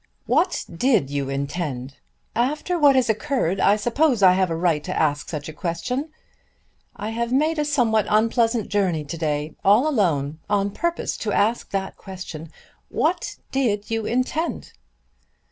"What did you intend? After what has occurred I suppose I have a right to ask such a question. I have made a somewhat unpleasant journey to day, all alone, on purpose to ask that question. What did you intend?"